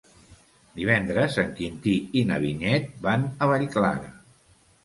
Divendres en Quintí i na Vinyet van a Vallclara.